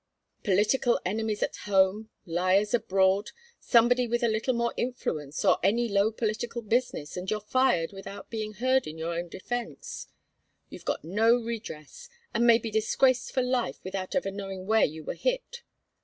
Political enemies at home, liars abroad, somebody with a little more influence, or any low political business, and you're fired without being heard in your own defence. You've got no redress, and may be disgraced for life without ever knowing where you were hit.